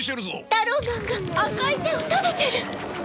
タローマンが赤い手を食べてる！？